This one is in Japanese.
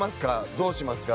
どうしますか？